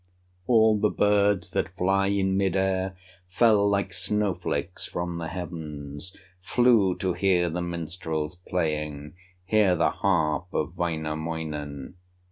All the birds that fly in mid air Fell like snow flakes from the heavens, Flew to hear the minstrel's playing, Hear the harp of Wainamoinen.